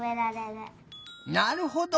なるほど！